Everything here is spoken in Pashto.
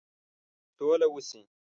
سوله وشي.